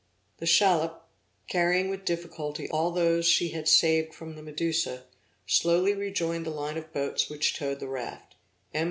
The shallop, carrying with difficulty all those she had saved from the Medusa, slowly rejoined the line of boats which towed the raft, M.